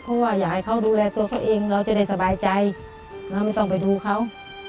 เพราะว่าอยากให้เขาดูแลตัวเขาเองเราจะได้สบายใจเราไม่ต้องไปดูเขา